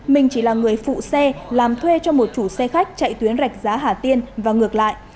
mình chỉ là người phụ xe làm thuê cho một chủ xe khách chạy tuyến rạch giá hà tiên và ngược lại